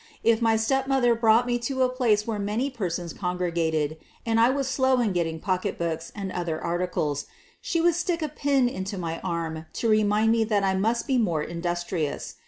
If my stepmother brought me to a place where many persons congregated and I was slow in getting pock QUEEN OF THE BURGLARS 13 etbooks and other articles, she would stick a pin into my arm to remind me that I must be more in dustrious.